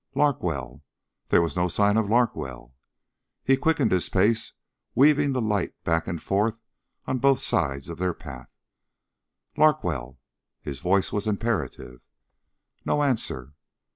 Larkwell there was no sign of Larkwell. He quickened his pace, weaving the light back and forth on both sides of their path. "Larkwell?" His voice was imperative. No answer.